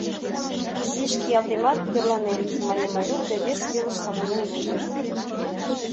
«Изиш киялтемат, тӧрланем, — мане Майрук да вес велыш савырнен возо.